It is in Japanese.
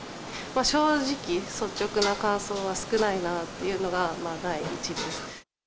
正直、率直な感想は少ないなっていうのが第一です。